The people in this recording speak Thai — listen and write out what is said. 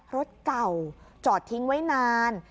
รถเก่าจอดทิ้งไว้นาน